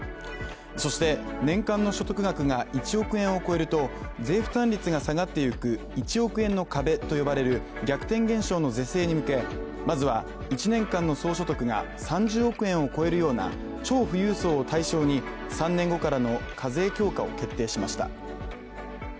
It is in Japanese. そして、年間の所得額が１億円を超えると税負担率が下がっていく１億円の壁と呼ばれる逆転現象の是正に向けまずは１年間の総所得が３０億円を超えるような超富裕層を対象に３年後からの課税強化を決定しました。